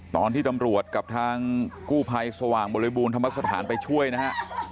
ตอนที่ตำรวจกับทางกู้ภัยสว่างบริบูรณธรรมสถานไปช่วยนะฮะ